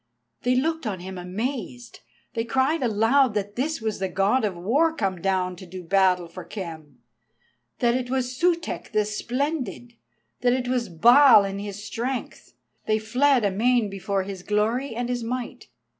They looked on him amazed, they cried aloud that this was the God of War come down to do battle for Khem, that it was Sutek the Splendid, that it was Baal in his strength; they fled amain before his glory and his might.